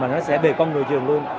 mà nó sẽ về con người trường luôn